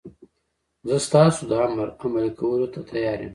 زه ستاسو د امر عملي کولو ته تیار یم.